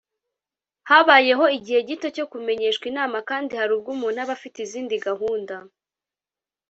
“Habayeho igihe gito cyo kumenyeshwa inama kandi hari ubwo umuntu aba afite izindi gahunda